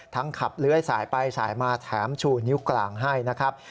ขับเลื้อยสายไปสายมาแถมชูนิ้วกลางให้นะครับ